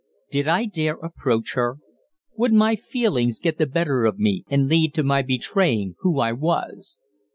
Did I dare approach her? Would my feelings get the better of me and lead to my betraying who I was?